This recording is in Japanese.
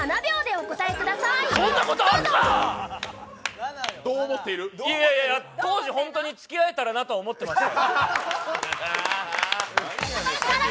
いやいや当時本当に付き合えたらなと思ってましたよ。